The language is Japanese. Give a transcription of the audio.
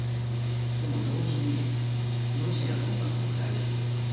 でも同時にロシアの音楽も僕大好きで。